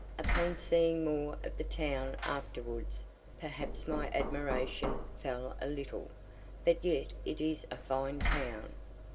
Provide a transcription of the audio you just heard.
Upon seeing more of the town afterwards, perhaps my admiration fell a little; but yet it is a fine town.